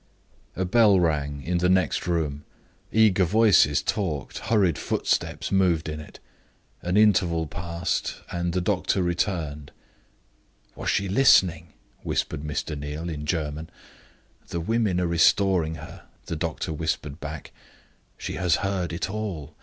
A bell rang in the next room eager voices talked; hurried footsteps moved in it an interval passed, and the doctor returned. "Was she listening?" whispered Mr. Neal, in German. "The women are restoring her," the doctor whispered back. "She has heard it all.